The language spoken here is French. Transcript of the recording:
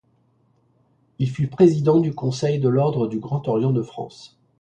Il fut président du conseil de l'ordre du Grand Orient de France.